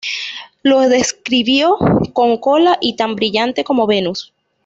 Lo describió con cola y tan brillante como Venus.